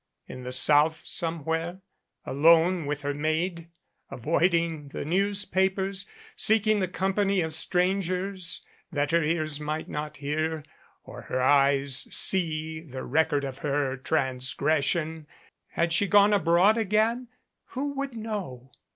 In the South somewhere, alone with her maid, avoiding the news 321 MADCAP papers, seeking the company of strangers that her ears might not hear or her eyes see the record of her trans gression? Had she gone abroad again? Who would know?